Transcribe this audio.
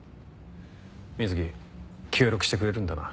水木協力してくれるんだな？